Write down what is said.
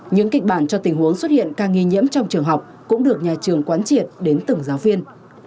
những kịch bản cho tình huống xuất hiện ca nghi nhiễm trong trường học cũng được nhà trường quán triệt đến từng giáo viên